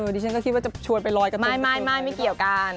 ดิฉันก็คิดว่าจะชวนไปลอยกันได้ไม่เกี่ยวกัน